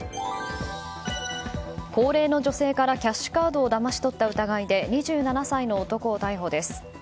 高齢の女性からキャッシュカードをだまし取った疑いで２７歳の男を逮捕です。